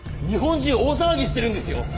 日本中大騒ぎしてるんですよ